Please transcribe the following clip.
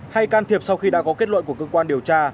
hay can thiệp sau khi đã có kết luận của cơ quan điều tra